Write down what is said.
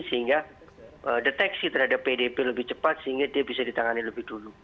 sehingga deteksi terhadap pdp lebih cepat sehingga dia bisa ditangani lebih dulu